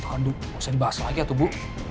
aduh bisa dibahas lagi atau bu